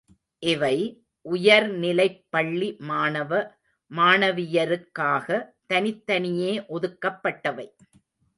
இவை, உயர்நிலைப்பள்ளி மாணவ, மாணவியருக்காக தனித் தனியே ஒதுக்கப்பட்டவை.